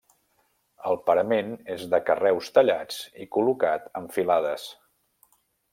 El parament és de carreus tallats i col·locat en filades.